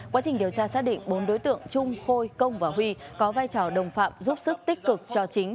quá trình điều tra xác định bốn đối tượng trung khôi công và huy có vai trò đồng phạm giúp sức tích cực cho chính